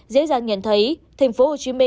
dễ dàng nhận thấy tp hcm